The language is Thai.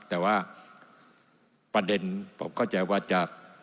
แต่ว่าประเด็นผมเข้าใจว่าจะ